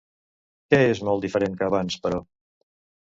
Què és molt diferent que abans, però?